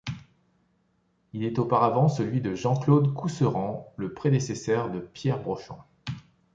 Il est auparavant celui de Jean-Claude Cousseran, le prédécesseur de Pierre Brochand.